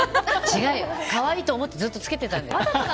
違うよ、可愛いと思ってずっとつけてたんだよ。